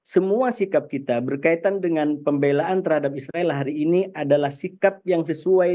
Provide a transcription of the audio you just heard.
semua sikap kita berkaitan dengan pembelaan terhadap israel hari ini adalah sikap yang sesuai